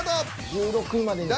１６位までにきて。